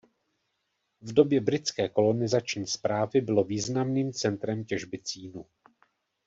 V době britské kolonizační správy bylo významným centrem těžby cínu.